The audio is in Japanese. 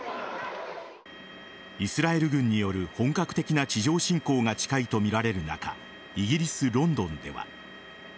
イスラエル軍による本格的な地上侵攻が近いとみられる中イギリス・ロンドンでは。